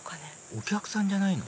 お客さんじゃないの？